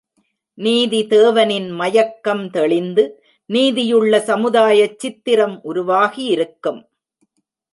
நீதிதேவனின் மயக்கம் தெளிந்து, நீதியுள்ள சமுதாயச் சித்திரமும் உருவாகியிருக்கும்!